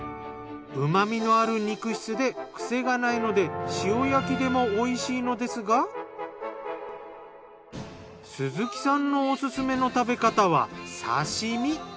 うま味のある肉質でクセがないので塩焼きでも美味しいのですが鈴木さんのオススメの食べ方は刺身。